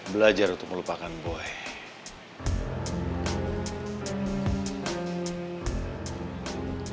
belajar untuk melupakan boy